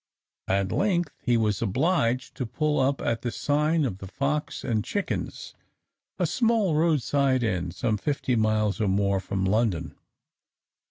At length he was obliged to pull up at the sign of the Fox and Chickens, a small roadside inn some fifty miles or more from London.